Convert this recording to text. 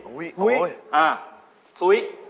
หุย